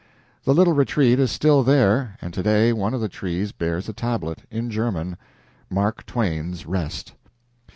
The little retreat is still there, and to day one of the trees bears a tablet (in German), "Mark Twain's Rest."